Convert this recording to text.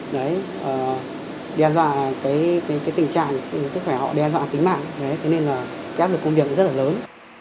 đe dọa cái tình trạng sức khỏe họ đe dọa kính mạng thế nên là cái áp lực công việc rất là lớn